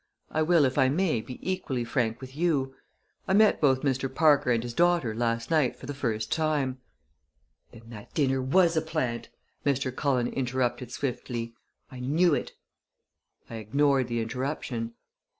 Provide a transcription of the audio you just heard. I will, if I may, be equally frank with you. I met both Mr. Parker and his daughter last night for the first time " "Then that dinner was a plant!" Mr. Cullen interrupted swiftly. "I knew it!" I ignored the interruption.